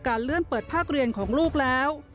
เลื่อนเปิดภาคเรียนของลูกแล้ว